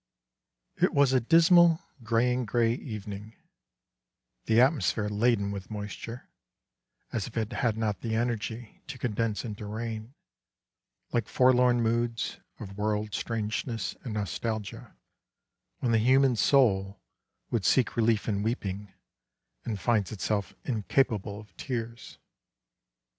(1894.) It was a dismal grey in grey evening, the atmosphere laden with moisture, as if it had not the energy to condense into rain, like forlorn moods of world strangeness and nos taglia when the human soul would seek relief in weeping and finds itself incapable of tears.